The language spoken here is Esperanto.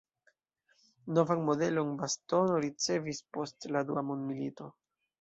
Novan modelon bastono ricevis post la dua mondmilito.